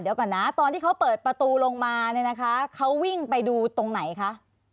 เดี๋ยวก่อนนะตอนที่เขาเปิดประตูลงมาเนี่ยนะคะเขาวิ่งไปดูตรงไหนคะ